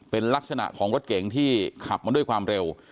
เป็นลักษณะของรถเก๋งที่ขับมาด้วยความเร็ว